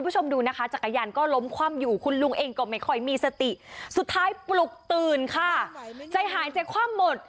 จะหายศีลความหมด